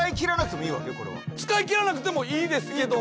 使いきらなくてもいいですけども。